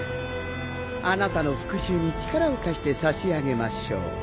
あなたの復讐に力を貸して差し上げましょう。